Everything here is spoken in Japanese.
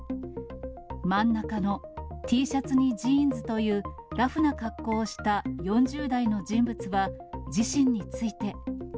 真ん中のＴシャツにジーンズという、ラフな格好をした４０代の人物は、自身について。